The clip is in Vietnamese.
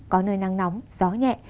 có nơi nắng nóng gió nhẹ